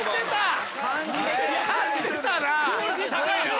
クオリティー高い。